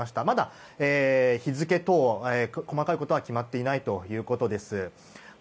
まだ日付等、細かいことは決まっていないということです。